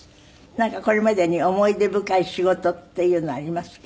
なんかこれまでに思い出深い仕事っていうのはありますか？